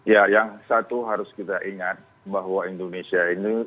ya yang satu harus kita ingat bahwa indonesia ini